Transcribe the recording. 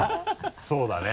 そうだね。